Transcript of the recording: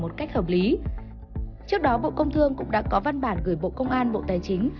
trước đó bộ công thương cũng đã có văn bản gửi bộ công an bộ tài chính